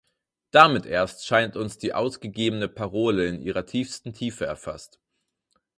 Damit erst scheint uns die ausgegebene Parole in ihrer tiefsten Tiefe erfasst.